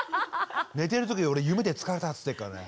寝てる時俺夢で「疲れた」って言ってるからね。